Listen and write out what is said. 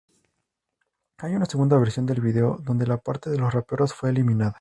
Hay una segunda versión del video, donde la parte de los raperos fue eliminada.